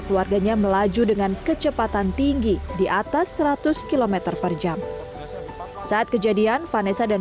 keluarganya melaju dengan kecepatan tinggi di atas seratus km per jam saat kejadian vanessa dan